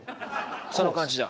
その感じだ。